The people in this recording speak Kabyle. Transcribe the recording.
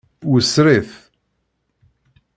Wessrit.